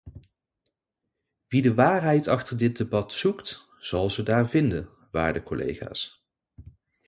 Wie de waarheid achter dit debat zoekt, zal ze daar vinden, waarde collega's.